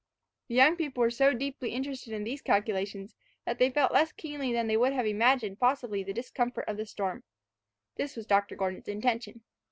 The young people were so deeply interested in these calculations, that they felt less keenly than they could have imagined possible the discomfort of the storm. This was Dr. Gordon's intention.